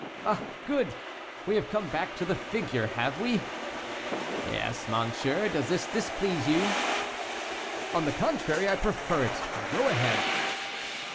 "Ah, good! we have come back to the figure, have we?" "Yes, monsieur; does this displease you?" "On the contrary, I prefer it; go ahead."